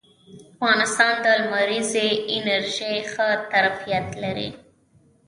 افغانستان د لمریزې انرژۍ ښه ظرفیت لري